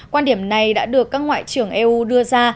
quan điểm này đã được các ngoại trưởng eu đưa ra